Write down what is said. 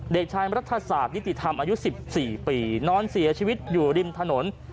เด็กชายรัฐศาสตร์นิติธรรมอายุ๑๔ปีนอนเสียชีวิตอยู่ริมถนน